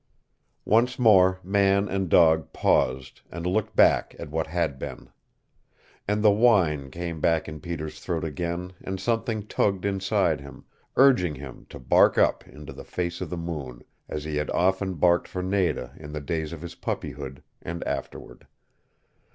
Once more man and dog paused, and looked back at what had been. And the whine came in Peter's throat again and something tugged inside him, urging him to bark up into the face of the moon, as he had often barked for Nada in the days of his puppyhood, and afterward.